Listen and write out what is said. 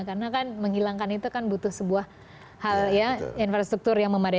karena kan menghilangkan itu kan butuh sebuah hal ya infrastruktur yang memadai